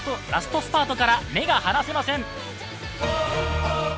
ラストスパートから目が離せません。